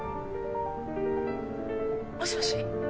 もしもし？